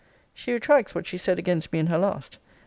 She retracts what she said against me in her last.